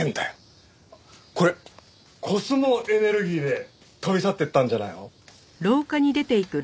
これコスモエネルギーで飛び去っていったんじゃないの？